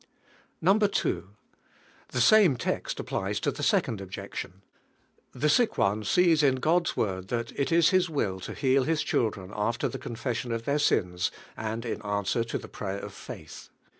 2, The same text applies to the second objection. The sick one sees in God's Word that it is His will to heal His chih dren afler the confession of th^'r sins, and DIVINE UTCAI, TNG r ill answer to the prayer of faith.